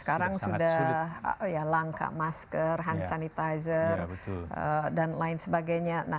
sekarang sudah langka masker hand sanitizer dan lain sebagainya